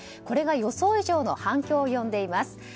これが予想以上の反響を呼んでいます。